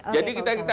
jadi kita harus